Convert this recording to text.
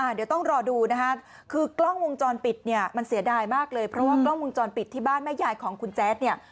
เดี๋ยวต้องรอดูนะคะคือกล้องวงจรปิดเนี่ยมันเสียดายมากเลยเพราะว่ากล้องวงจรปิดที่บ้านแม่ยายของคุณแจ๊ดเนี่ย